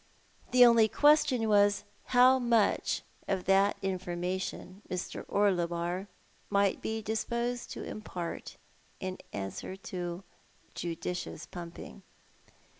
The only question was how much of that in formation Mr. Orlebar might be disposed to impart in answer to judicious pumping.